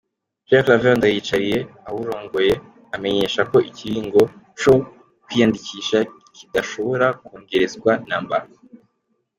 Pierre Claver Ndayicariye awurongoye, amenyesha ko ikiringo co kwiyandikisha kidashobora kwongerezwa namba.